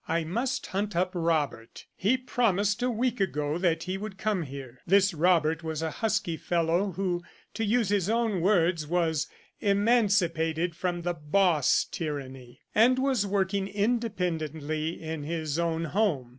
"I must hunt up Robert. He promised a week ago that he would come here." This Robert was a husky young fellow who, to use his own words, was "emancipated from boss tyranny," and was working independently in his own home.